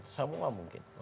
karena ada yang tidak mungkin